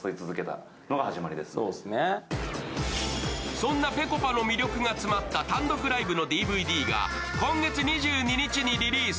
そんなぺこぱの魅力が詰まった単独ライブのＤＶＤが今月２２日にリリース。